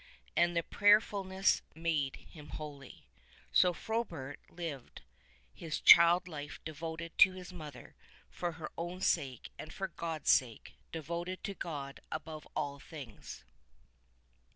And Ihe prayerfulness made him holy. So Frobert lived his child life devoted to his mother for her own sake and for God's sake : devoted to God above all things.